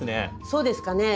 そうですかね？